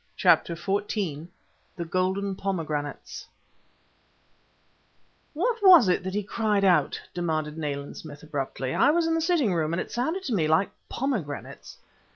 CHAPTER XIV THE GOLDEN POMEGRANATES "What was it that he cried out?" demanded Nayland Smith abruptly. "I was in the sitting room and it sounded to me like 'pomegranates'!"